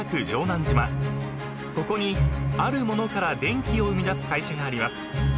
［ここにある物から電気を生み出す会社があります］